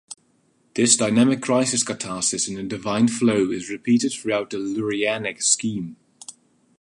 This dynamic crisis-catharsis in the Divine flow is repeated throughout the Lurianic scheme.